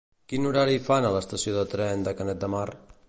Quin horari fan a l'estació de tren de Canet de Mar?